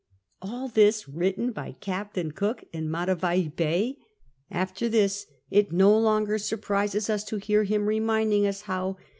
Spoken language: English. All this written by Captain Cook in Matavai Bay ! After this it no longer surprises us to hear him reminding us how